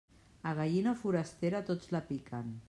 A gallina forastera tots la piquen.